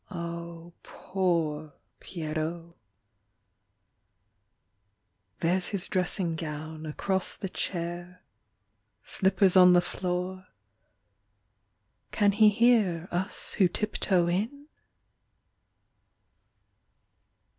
Oh, poor Pierrot. There s his dressing gown Across the chair, Slippers on the floor. ... Can he hear Us who tiptoe in?